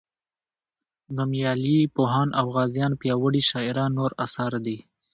نومیالي پوهان او غازیان پیاوړي شاعران نور اثار دي.